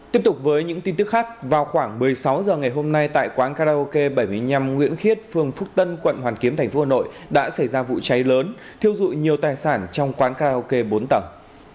tiếp tục với những tin tức khác vào khoảng một mươi sáu h ngày hôm nay tại quán karaoke bảy mươi năm nguyễn khiết phường phúc tân quận hoàn kiếm tp hà nội đã xảy ra vụ cháy lớn thiêu dụi nhiều tài sản trong quán karaoke bốn tầng